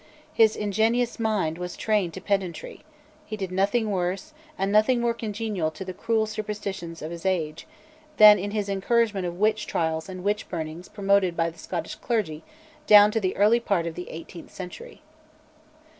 His ingenious mind was trained to pedantry; he did nothing worse, and nothing more congenial to the cruel superstitions of his age, than in his encouragement of witch trials and witch burnings promoted by the Scottish clergy down to the early part of the eighteenth century.